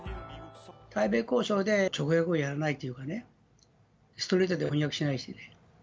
対米交渉で直訳をやらないというかね、ストレートに翻訳しないですよね。